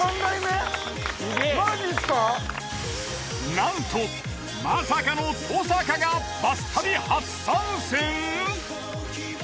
なんとまさかの登坂がバス旅初参戦！？